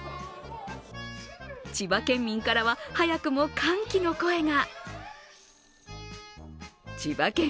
千葉県民からは早くも歓喜の声が。